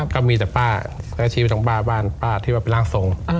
ก็มีแต่ป้าและชีวิตของป้าบ้านป้าที่ว่าเป็นร่างทรง